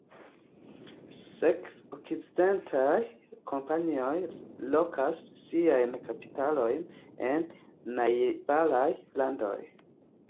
Sekve, okcidentaj kompanioj lokas siajn kapitalojn en najbaraj landoj.